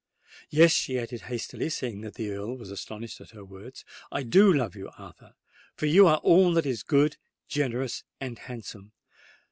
Yes," she added hastily, seeing that the Earl was astonished at her words, "I do love you, Arthur—for you are all that is good, generous, and handsome!